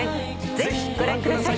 ぜひご覧ください。